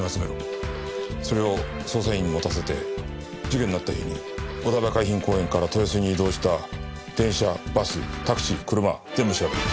それを捜査員に持たせて事件のあった日にお台場海浜公園から豊洲に移動した電車バスタクシー車全部調べろ。